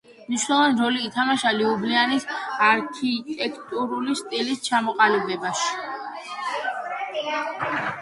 მნიშვნელოვანი როლი ითამაშა ლიუბლიანის არქიტექტურული სტილის ჩამოყალიბებაში.